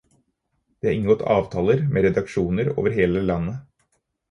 Det er inngått avtaler med redaksjoner over hele landet.